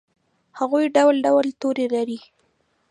هغوي ډول ډول تورې لري